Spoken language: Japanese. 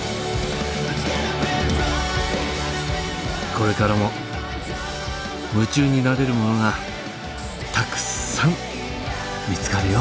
これからも夢中になれるものがたくさん見つかるよ。